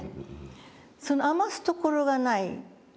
その余すところがない。